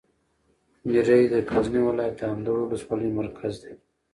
میری د غزني ولایت د اندړو د ولسوالي مرکز ده.